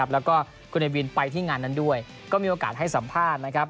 แล้วก็คุณเนวินไปที่งานนั้นด้วยก็มีโอกาสให้สัมภาษณ์นะครับ